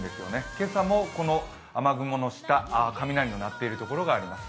今朝もこの雨雲の下、雷が鳴っているところがあります。